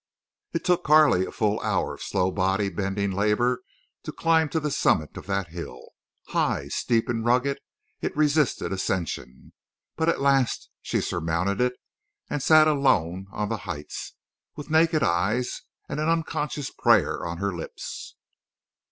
It took Carley a full hour of slow body bending labor to climb to the summit of that hill. High, steep, and rugged, it resisted ascension. But at last she surmounted it and sat alone on the heights, with naked eyes, and an unconscious prayer on her lips.